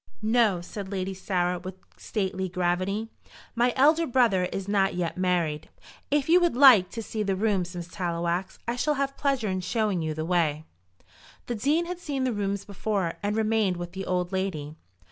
"No," said Lady Sarah, with stately gravity; "my elder brother is not yet married. If you would like to see the rooms, Miss Tallowax, I shall have pleasure in showing you the way." The Dean had seen the rooms before, and remained with the old lady.